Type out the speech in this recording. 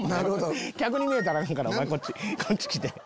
客に見えたらアカンからおまえこっち来て。